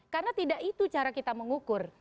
karena tidak itu cara kita mengukur